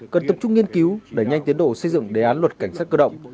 cần tập trung nghiên cứu để nhanh tiến đổi xây dựng đề án luật cảnh sát cơ động